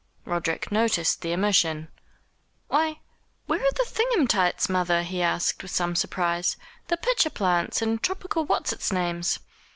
Roderick noticed the omission. "Why, where are the thing um tites, mother?" he asked, with some surprise; "the pitcher plants and tropical what's its names?"